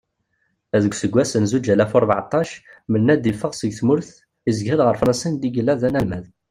Deg useggas n zuǧ alaf u rbeɛṭac, Menad iffeɣ seg tmurt izger ar Fransa and yella d-analmad.